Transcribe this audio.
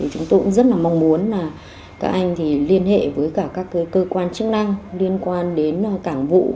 chúng tôi cũng rất mong muốn các anh liên hệ với các cơ quan chức năng liên quan đến cảng vụ